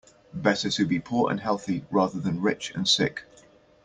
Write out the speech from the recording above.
Better to be poor and healthy rather than rich and sick.